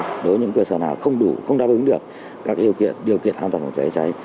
đối với những cơ sở nào không đủ không đáp ứng được các điều kiện an toàn phòng cháy chữa cháy